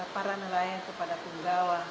para nelayan kepada pembawa